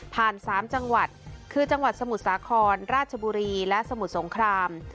๓จังหวัดคือจังหวัดสมุทรสาครราชบุรีและสมุทรสงคราม